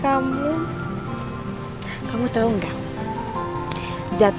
aku mau nyamper jos